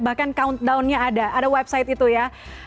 bahkan countdown nya ada ada website itu ya